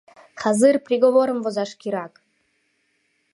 Хазыр приговорым возаш кирак!